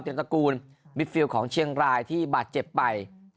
ตระกูลมิดฟิลของเชียงรายที่บาดเจ็บไป